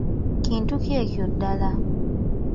Kintu ki ekyo ddala?